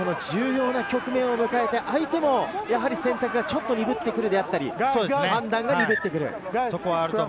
重要な局面を迎えて、相手も選択が鈍ってくる、判断が鈍ってくる。